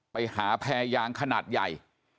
ไปหาแพรยางขนาดใหญ่